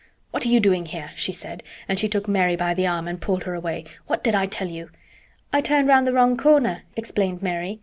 "What are you doing here?" she said, and she took Mary by the arm and pulled her away. "What did I tell you?" "I turned round the wrong corner," explained Mary.